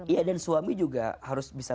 iya dan suami juga harus bisa